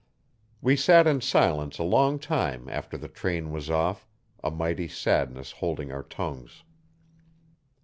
We sat in silence a long time after the train was off, a mighty sadness holding our tongues.